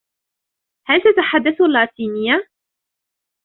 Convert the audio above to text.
هل تتحدث اللاتينية ؟